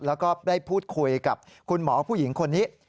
แล้วก็ได้พูดคุยกับคุณหมอผู้หญิงคนนี้